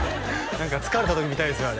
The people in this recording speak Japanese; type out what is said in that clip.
何か疲れた時見たいですよ